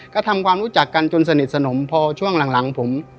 ก็ทำความรู้จักกันจนสนิทสนมพอช่วงหลังผม